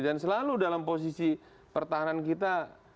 dan selalu dalam posisi pertahanan kita